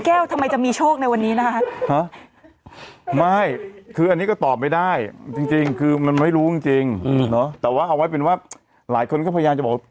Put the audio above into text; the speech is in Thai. เขาร้างอ่างเนี่ยเขาร้างอ่างแล้ว